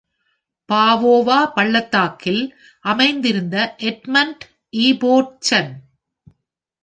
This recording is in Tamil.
பாவோவா பள்ளத்தாக்கில் அமைந்திருந்த எட்மண்ட் இபோட்சன்.